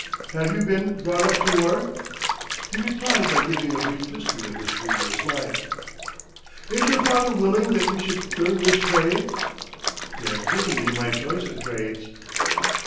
"Have you been brought up to work?" He replied by giving a brief history of his previous life. "Is your father willing that you should learn this trade?" "He has given me my choice of trades."